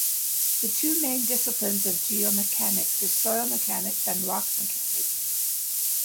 The two main disciplines of geomechanics are soil mechanics and rock mechanics.